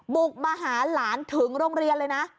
บุกมาหาหลานถึงโรงเรียนเลยนะ